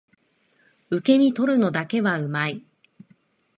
受け身取るのだけは上手い